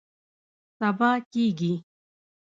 سبا کیږي